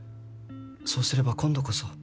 そうすれば今度こそ。